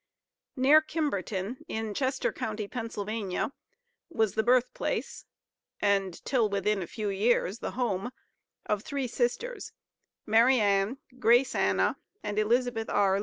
Near Kimberton, in Chester county, Pa., was the birth place, and, till within a few years, the home of three sisters, Mariann, Grace Anna and Elizabeth R.